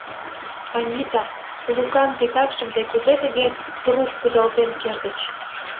— Анита, Лукан титакшым тый кузе тыге трук кудалтен кертыч?